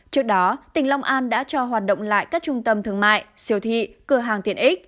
trước đó tỉnh long an đã cho hoạt động lại các trung tâm thương mại siêu thị cửa hàng tiện ích